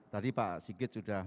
tadi pak sigit sudah